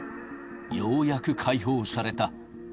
ようやく解放された。